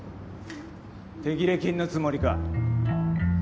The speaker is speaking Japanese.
手切れ金のつもりか？